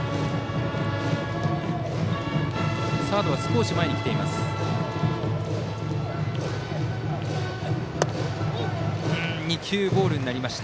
サードは少し前に来ています。